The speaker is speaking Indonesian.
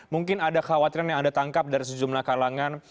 mungkin ada khawatiran yang anda tangkap dari sejumlah kalangan